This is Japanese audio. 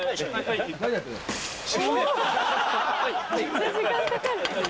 めっちゃ時間かかる。